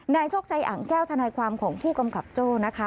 โชคชัยอ่างแก้วทนายความของผู้กำกับโจ้นะคะ